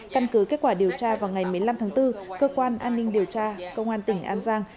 căn cứ kết quả điều tra vào ngày một mươi năm tháng bốn cơ quan an ninh điều tra công an tỉnh an giang